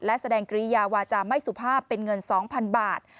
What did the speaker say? และแสดงกริยาวาจาไม่สุภาพเป็นเงิน๒๐๐๐บาท